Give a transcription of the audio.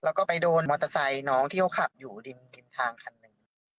แล้วก็ไปโดนมอเตอร์ไซค์น้องที่เขาขับอยู่ริมทางคันหนึ่ง